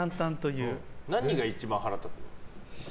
何が一番腹立つ？